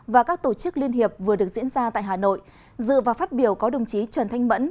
và các tổ chức liên hiệp vừa được diễn ra tại hà nội dự và phát biểu có đồng chí trần thanh mẫn